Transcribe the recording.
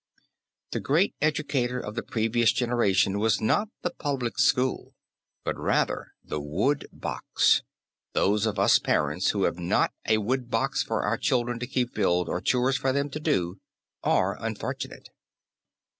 The great educator of the previous generation was not the public school, but rather the wood box. Those of us parents who have not a wood box for our children to keep filled, or chores for them to do, are unfortunate.